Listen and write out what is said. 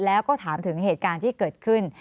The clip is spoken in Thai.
แล้วก็ถามถึงเหตุการณ์ที่เกิดขึ้น